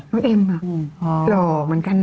น้องเอ็มอะ